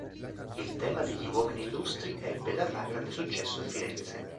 Il tema degli "Uomini illustri" ebbe ed avrà grande successo a Firenze.